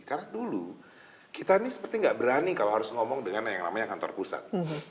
karena dulu kita ini seperti gak berani kalau harus ngomong dengan yang namanya kantor pusat